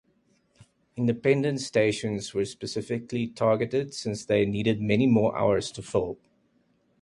Independent stations were specifically targeted since they needed many more hours to fill.